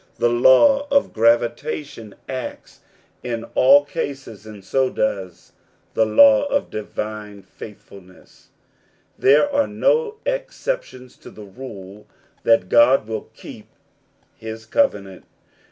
The law of gravitation acts in all cases, and so does the law of divine faithfulness : there are no exceptions to the rule that God will keep his covenant.